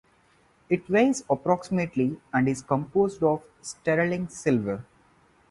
It weighs approximately and is composed of sterling silver.